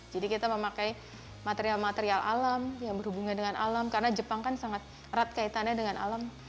jadi kita memakai material material alam yang berhubungan dengan alam karena jepang kan sangat erat kaitannya dengan alam